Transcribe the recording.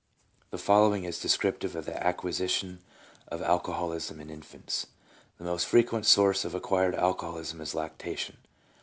The following is descriptive of the acquisition of alco holism in infants: —" The most frequent source of acquired alcoholism is lactation.